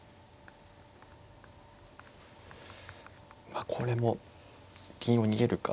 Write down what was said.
まあこれも銀を逃げるか。